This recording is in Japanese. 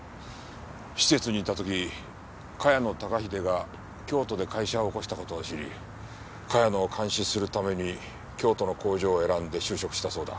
施設にいた時茅野孝英が京都で会社を起こした事を知り茅野を監視するために京都の工場を選んで就職したそうだ。